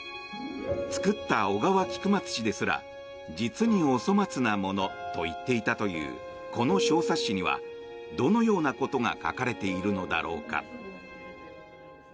作った小川菊松氏ですら実にお粗末なものと言っていたというこの小冊子にはどのようなことが書かれているのだろうか。